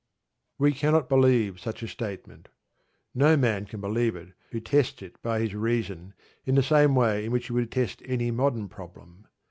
We cannot believe such a statement. No man can believe it who tests it by his reason in the same way in which he would test any modern problem.